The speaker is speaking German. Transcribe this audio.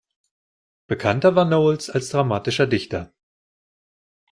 Bekannter war Knowles als dramatischer Dichter.